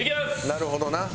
なるほどなっ。